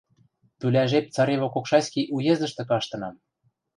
Пӱлӓ жеп Царевококшайский уездышты каштынам.